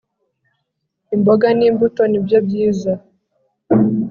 imboga n’imbuto ni byo byiza